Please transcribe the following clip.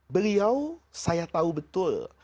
beliau saya tahu betul